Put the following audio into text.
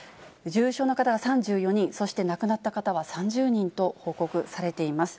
重症の方が３４人、そして亡くなった方は３０人と報告されています。